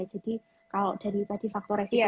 jadi kalau dari tadi faktor resiko